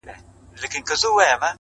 o او په تصوير كي مي ـ